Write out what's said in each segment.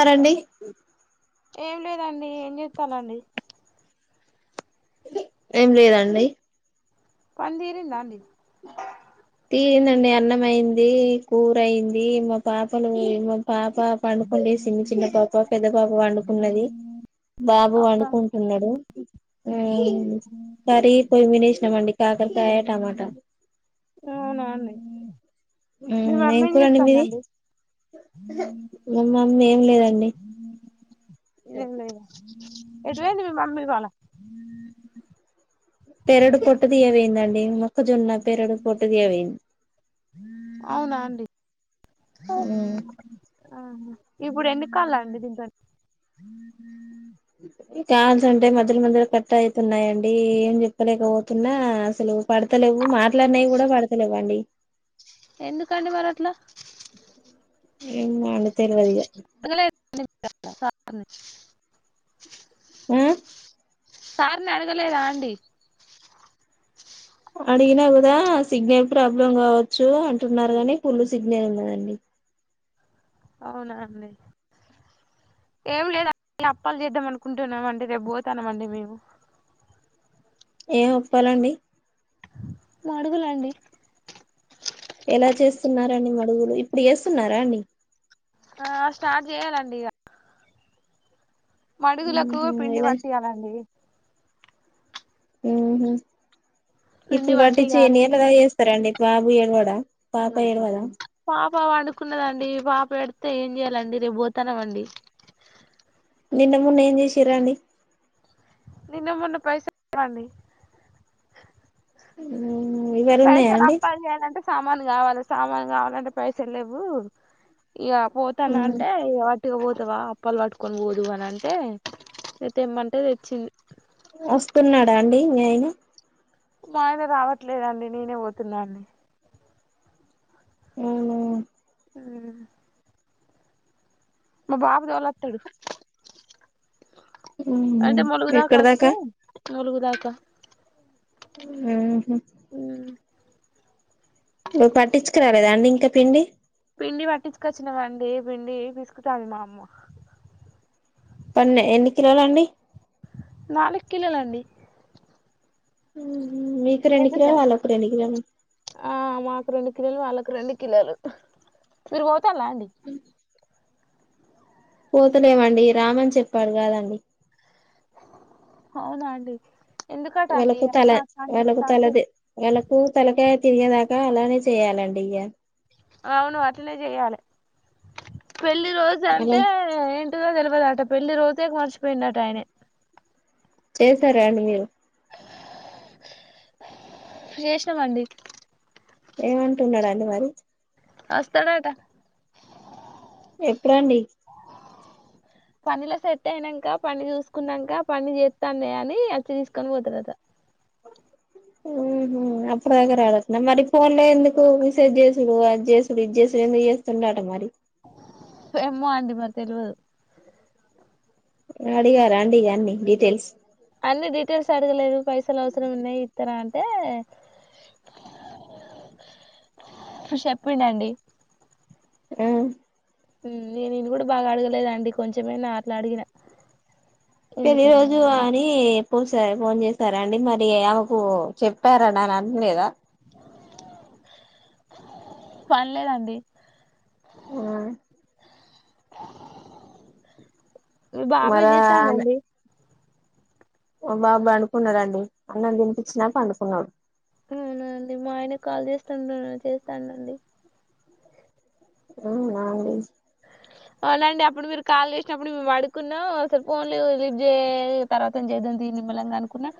చెప్ప ఏం లేదండి ఏం చేస్తానండి ఏం లేదండి పనితిరింద అండి తీయందండి అన్నం అయ్యింది కూర అయ్యింది మా పాపలు మా పాప పండుకుండి సిన్ని చిన్న పాపా పెద్ద పాప పండు ఉన్నది బాబు వండుకుంటున్నాడు వే చారి పమిని మండి కాకరకాయ టమాట అవునానే హ్మ్ ఏం కూరండి మీది లేదండి ఎంలేదా ఏటు వెయింది మీ మమ్మీ ఇవాళ పెరడు పొట్టదీయా వెయిందండి మొక్కజొన్న పెరడు పొట్టుదియా వెయిన్ అవునా అండి ఆహా ఇప్పుడు ఎండుకాళ్ళ అండి దీంతోని కాల్స్ అంటే మధ్యల మధ్యలో కట్ట అయితున్నాయండి ఏం జెప్పలేకపోతున్నా అసలు పడతలేవు మాట్లాన్నవి కూడా పడతలేవండి ఎందుకండి మరట్లా ఏమ్మో ఆళ్ల తెల్వదిగా [inaudible] హ్మ్ సార్ని అడగలేదా అండి అడిగినా కూడా, సిగ్నల్ ప్రాబ్లం కావచ్చు అంటున్నారు కానీ, ఫుల్ సిగ్నల్ ఉన్నదండి. అవునా అండి, ఏం లేద అప్పాలు చేద్దాం అనుకుంటున్నామండి రేపు పోతాన్నామండి మేము ఏ ఒప్పాలండి అడుగులండి ఎలా చేస్తున్నారండి మడుగులు ఇప్పుడు చేస్తున్నారా అండి ఆ స్టార్ట్ చేయాలండి ఇక మడుగులకు ఊహు పిండి ఎలా పట్టియ్యాలండి హ్మ్ హు పిండి ఇప్పుడు కట్టించి పట్టియాలి ఎన్లు గా చేస్తారండి బాబు ఏడవాడా పాప ఏడవదా పాపా పండుకున్నదండి పాప ఏడుతే ఏం చెయాలండి రేపు పోతాన్నాము అండి నిన్న మొన్న ఏం చేసి రండి నిన్న మొన్న పైసాండి హ్మ్ ఇవరన్నయా అండి సామాల్ కావాలి సామాన్ కావాలంటే పైసలేవు ఇగ ఊ పోతన అంటే ఇగ పట్టుక పోతావా అప్పాలు పట్టుకొని పోదువు అని తేమ్మంటే తెచ్చింది వస్తున్నాడా అండి మీ ఆయన మా ఆయన రావట్లేదండి నేనే పోతున్నా హ్మ్ హ్మ్ మా బాబు తొలతడు హ్మ్ హు ఎక్కడదాకా అలుగుదాక హ్మ్ హు హ్మ్ నువ్వు పట్టించుకురాలేదా అండి ఇంకా పిండి పిండి పట్టించుకొచ్చిన మండి పిండి పిసుకుతాంది మా అమ్మ పన్నె ఎన్ని కిలోలు అండి నాలుగు కిలోలు అండి హ్మ్ మీకు రెండు ఎంతసేపు కిలోలు వాళ్ళకు రెండు కిలోలు ఆ మాకు రెండు కిలోలు వాళ్ళకి రెండు కిలోలు మీరు పో హ్మ్ పోతలేమండి రామని చెప్పాడు కాదండి అవునాండి వెలకు తల వెలకు తలది వెలకు తలకయి తిరిగేదాకా అలానే చేయాలండి ఇగ అవును అట్లనే చెయ్యాలి పెళ్లి రోజు అలా అంటే ఏంటిదో తె తెలవదుటా పెళ్లి రోజే మర్చిపోయిండట ఆయనే చేసారాండి మీరు ఇప్పుడు చేసినం అండి ఏమంటున్నాడు అండి మరి వస్తాడు అట ఎప్పుడండి పనిలో సెట్ అయినాక పని చూసుకున్నాక, పని చేస్తాండ అని అచ్చి తీసుకొని పోతారట ఉ అప్పుడు [unintelligible] ఎ మరి ఫోన్ లో ఎందుకు చేసుడు అది చేసుడు ఇది చేసుడు ఎందు చేస్తుంటడాట మరి ఏమో అండి మరి తెల్వదు అడిగ రండి గన్ని డీటెయిల్స్ అన్ని డీటెయిల్స్ అడగలేదు పైసలు అవసరం ఉన్నాయి ఇతర టే చెప్పండండి ఆ మ్ నేను ఇది కూడ బాగా అడగలేదండి కొంచెమే అట్లే అడిగిన పెళ్లి రోజు ఎందుకు అని పో సాయి ఫోన్ చేస్తారా అండి మరి ఆమెకు చెప్పార నన్నా అన్లేదా పన్లేదండి ఆ మి బాబు ఎం మరా చేస్తాండి అండి బాబు పడుకున్నాడాఅండి అన్నం తినిపించినాక పండుకున్నాడు అవునండి మా ఆయనకు కాల్ చేస్తుండ చేస్తానుండి అవునా అండి అవునండి అప్పుడు మీరు కాల్ చేసినప్పుడు మేము అడుకున్నాం అసలు ఫోన్లే లీఫ్ చేయ్ తర్వాత ఏం చేద్దం తీ నిమ్మల్లంగా అనుకున్నా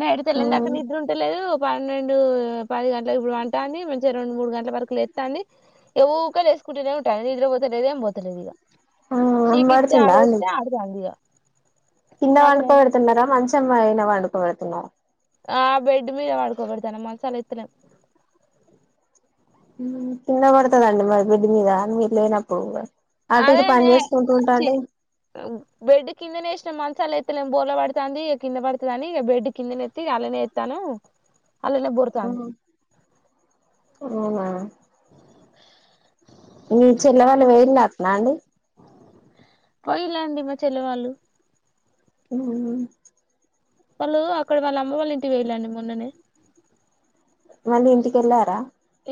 నైట్ తెల్లినిందాక్క నిద్ర ఉండలేదు పన్నెండు పది గంటలకు ఇప్పుడు పంటాన్ది మంచిగా రెండు మూడు గంటల వరకు లేస్తాన్ది ఏవో కోలేస్కుంటానే ఉంటాది నిద్ర పోతేద్ ఏం పోతలేదు ఇక శీక్ ఇతే పడుతుందా అండి ఆడతే ఆడుతా ఇంగా కింద పండుకోబడుతున్నారా మంచి మంచ్ఛం పైన పడుకో వెడుతున్నా ఆ బెడ్ మీద పడుకోబేడుతునాం మన్సాల్ ఇత్తలేం మ్మ్ కిందబడతదంట మరి బెడ్ మీద మీర్ లేనప్పుడు అటు ఇటు అదేనే పని చేసుకుంటూ ఛీ ఉంటాంటే బెడ్ కిందనేస్ చ్ మనఛాలెత్ ఎత్తేలేము బోల పడుతుంది ఇక కింద పడుతుందిని ఇక బెడ్ కిందనేెత్ అళ్లనే ఎస్తాను [unintelligible] ఉహ్మ్ ఈ చల్ల గాలి వేయాల రాండి పోయిలేండి మా చెల్లి వాళ్ళు మ్ హ్ హుమ్ వాళ్ళు అక్కడ వాళ్ళమ్మ వాళ్ళ ఇంటికి వోయిళ్ళండి మొన్ననే మళ్లీ ఇంటికెళ్ళారా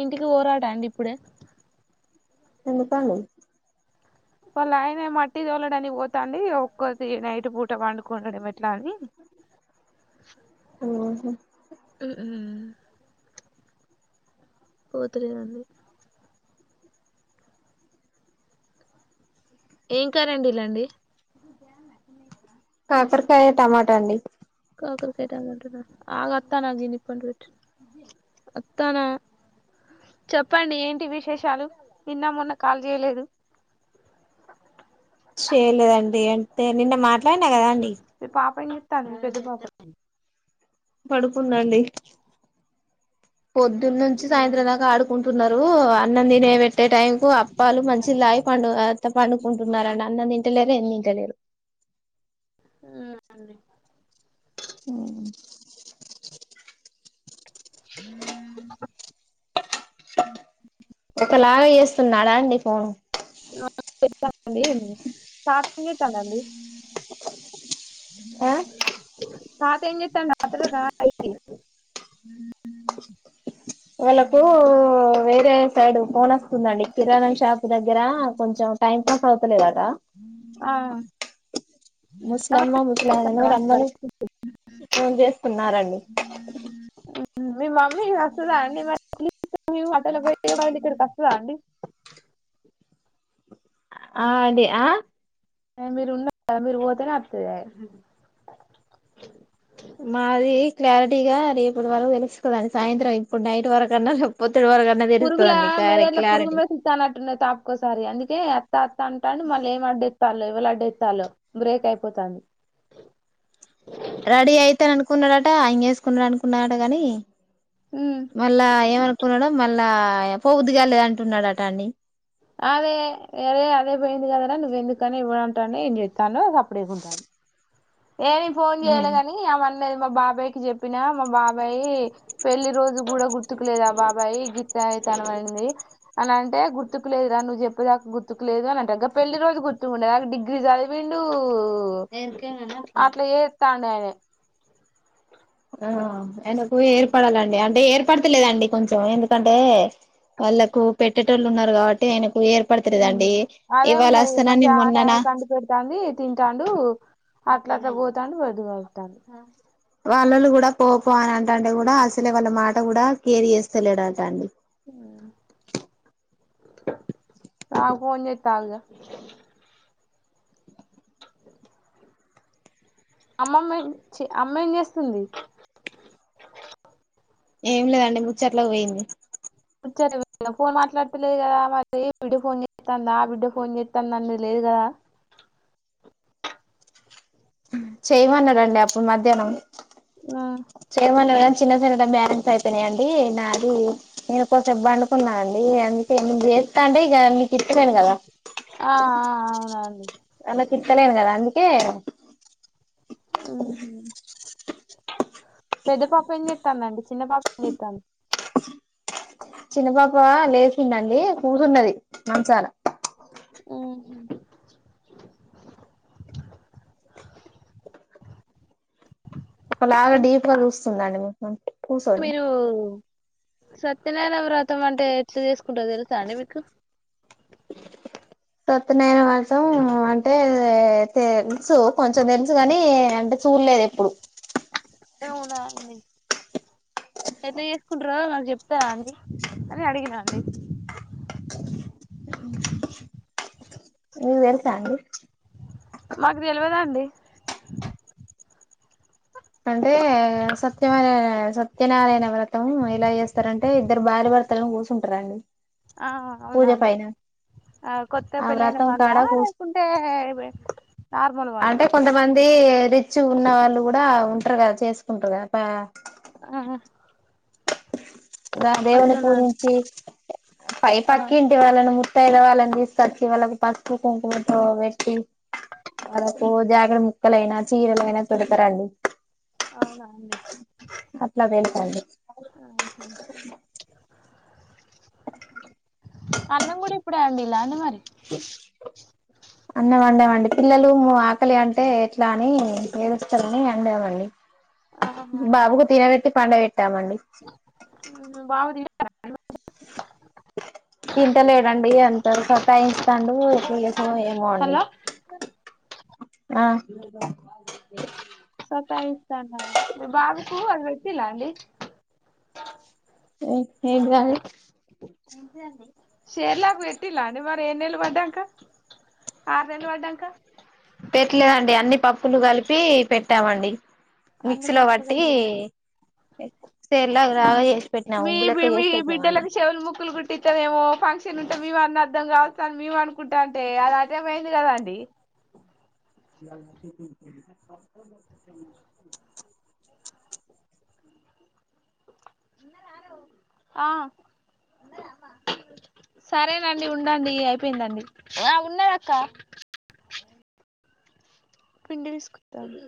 ఇంటికి వోరాట అండి ఇప్పుడే ఎందు కాండి వాళ్ళు ఆయన మట్టి తోలడానికి పోతాంది ఒక్కతి నైట్ పూట పండుకుండడం ఎట్లా అని. ఉమ్మ్ ఓ తెలిదండి. ఏం కర్రీ అండిలండి. కాకరకాయ, టమాటా అండి. ఒకరికట్ అమంటార ఆగు అత్తానా జీనిప్పెట్ అత్తానా చెప్పండి ఏంటి విశేషాలు నిన్న మొన్న కాల్ చేయలేదు. ఐనే కదాఅండి. తను పెద్ద పాప. పడుకుందండి. పొద్దున్న నుంచి సాయంత్రం దాకా ఆడుకుంటు. ఉన్నారు అన్నం తినే పెట్. అట్టే టైం కు అప్పాలు మంచి నీళ్లు తాగి పండు ఆహ్ పండుకుంటున్నరండి అన్న తిని. తెల్లారి ఏం తింటలేరు. ఉమ్ అవునండి. ఉమ్. హ ఒకలాగ చేస్తున్నాడా అండి ఫోను. [unintelligible] ఫాస్టింగ్ ఎక్కడండి. ఆ తాత ఏం చెస్తాండు రాత్ర రా పైకి. వాళ్ళలకు వేరే. సడు ఫోన్ వస్తుందండి కిరాణ షాప్. దగ్గర కొంచెం టైం పాస్ అవుతలేదాట. ఆహ్. ముసలమ్మ, ముస్లివాళ్లను అండి రమ్మని వాళ్ళకి? ఫోన్ చేస్తున్నారండి. మీ మమ్మీ వస్తదా అండి మరి మీ మాటల పోయే వాళ్ళ ఇక్కడికి వస్తదా అండి. ఆహ్ అదే ఆహ్. మీరు ఉన్న కా మీరు పోతేనే వస్తదాయే. మాది క్లారిటీగా రేపటి వరకు తెలుస్తదని సాయంత్రం ఇప్పుడు నైట్ వరకు అన్నా రేపు పొద్దు. ఇది వరకు అన్నా తెలుస్తదండి కారి క్లారిటీ. నాన్ తాపుకోసారి అందుకే. త అంటాడు మళ్ళ ఏం వడ్డిస్తాలే లడెత్తాలో బ్రేక్ అయిపోతాంది. రెడీ అయితాననుకున్నాడాట అంగి వేసుకున్నాడు అనుకున్నాడు అంట కాని. ఉమ్, మళ్ళా ఏమి అను. కొనడం మళ్ళా పోబుద్ధి కాలేదు అంటున్నాడు అంట అండి. అదే అరే అదే పోయింది కద రా నువ్వెందుకనీ ఎవ్వడంటాండో ఏం చేస్తున్నాడో సప్పుడు లేకుండా ఉంటాడు. ఏమ్ ఫోన్ చేయలేధని ఆమ్ ది మా బాబాయయికి చెప్పినా మా బాబాయ్ పెళ్లి రోజు కూడా గుర్తుకులేద ఆ బాబాయి్ గీత్త తన అంది అని అంటే గుర్తుకులేదు రా నువ్వు చెప్పేదాక గుర్తుకులేదు అని అంటా పెళ్లి రోజు గుర్తుకు ఉండద ఆ డిగ్రీ చదివిండు అట్లా ఏతాండ్ ఆయన ఆ అయనకు ఏర్పడాలండి అంటే ఏర్ పడతలేదండి కొంచెం ఎందుకంటే వాళ్ళలకు పెట్టేటోళ్ళు ఉన్నారు కాబట్టి ఆయన అదే ఉన్నాది వస్తానని మంచిగా ఆ టైం మొన్ననా కండు పెడతంది తింటాఉండు అట్లా అట్లా పోతాఉండు బదుతాఉండు వాళ్ళలు కూడా పోపో అని అంటటె కూడా అసలే వాళ్ళ మాట కూడా కేర్ చేస్తలేడుంట అండి నాక్ ఫోన్ చెత్తాఉంది అమ్మమ్మ చి అమ్మ ఏం చేస్తుంది ఏం లేదండి ముచెట్లకి పోయింది పోయింది ముచ్చట్లకి పోయిందా ఫోన్ మాట్లాడుతలేదు కదా మరి ఏ బిడ్డ ఫోన్ చేస్తాందా ఆ బిడ్డో ఫోన్ చేస్తాన్న లేదు కదా చేయమన్నాడు అండి అప్పుడు మధ్యాహ్నం ఉమ్, చేయమన్నాద్ చిన్న సెల్ లో బ్యాలెన్స్ అయిపోనాయండి నాది నేను కోసేబ్ బండుకున్నాను అండి ఏ అంతే నువ్ జే అంటే ఇగ నెకిత్తలేం గదా ఆ ఆ అవునండి ఏ ఉమ్ పెద్ద పాప ఏం జేతంధండి చిన్న పాప ఏం జేతంది చిన్న పాప లేచిందండి కూసున్నది మంచాన ఉమ్ ఒకలాగా డీప్గా జ్యూస్ చిన్దా అండి మీకు మీరు సత్యనారాయ వ్రతం అంటే ఎట్లా చేసుకుంటావో తెలుసా అండి మీకు సత్తనయన వసం అంటే తెల్సు కొంచెం తెలుసు కాని అంటే చూళ్ళేదు ఎప్పుడు అవునా అండి ఎట్ల చేసుకుంట్రో నాకు చెప్తారండి అని అడిగినా అండి మీకు తెలుసా అండి మాకు తెలవద అండి [inaudible] అంటే సత్యమై సత్యనారాయణ వ్రతం ఏలా చేస్తారంటే ఇద్దరు భార్య భర్తలను కూర్సుఓం టారండి ఆ అవునా అండి కొత్త ఆ పెళ్లైన వ్రతం వాళ్ళ కాడ కూస్ లేకుంటే నార్మల్ వాళ్ళ అది రిచ్ ఉన్న వాళ్ళు కూడా ఉన్టర్ గా చేసుకుంటార్గా బా ఆ ద దేవుని అట్లనా అండి పూజించి పై ఆ, పక్కి ఇంటి వాళ్ళను ము వాళ్ళని తీసుకొచ్చి వాళ్ళకి పసుపు కుంకుమతో పెట్టి వాళ్ళకు జాకేటు ముక్కలైనా చీరలయినా పెడతరండి అవునా అండి అట్లా పెడతళ్లు [inaudible] అన్నం కూడా ఇప్పుడే అండీల్లా అండి మరి అన్నం అన్నే వండి పిల్లలు ఆకలి అంటే ఎట్లా అని ఏడుస్తారని అండిన మండి ఆహా బాబుకు తినపెట్టి పండ పె పెట్టామండి బాబు తి తింటలేడండి ఎంత సతాయిస్తాండు ఎట్లా చేసూడో ఏమో అండి ఆ సతయిస్ తండా మీ బాబు కు అ ఇలా అండి ఏఎంటిదండి సేర్లాక్ పెట్టిలా అండీ మరి ఏడు నెల్లు పడ్డాంక ఆర్ నెలు పడ్డాంక పెట్టలేదండి అన్ని పప్పులు కలిపి పెట్టామండి అన్ని మిక్సీ లో పప్పులు బట్టి కలిపి పె ఎ మీ మీ చేసి పెట్టినామండి బిడ్డలకు చెవులు ముక్కులు కుట్టిస్తందేమో ఫంక్షన్ ఉంటే మే మ అన్న అద్దం కావ స్తాను మేము అనుకుంటాంటే అది అటేపోయింది కదాండి [unintelligible] ఆ సరేనండి ఉండండి ఇగ అయిపోయిందండి ఆ ఉన్నదక్క పిండి పిసుకుతంది